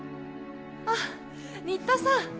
あ新田さん